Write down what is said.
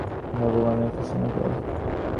সুতরাং ও-সব বিষয়ের চেষ্টা কর না, ভগবানের উপাসনা কর।